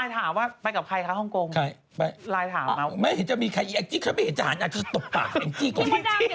ตอนนี้ก็ชิวที่สบายไปก่อน